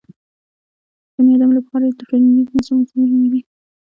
بنیادم له پخوا راهیسې د ټولنیز نظم اصول لرل.